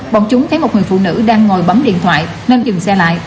bọn chúng thấy một người phụ nữ đang ngồi bấm điện thoại nên dừng xe lại